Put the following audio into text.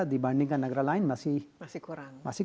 dibandingkan negara lain masih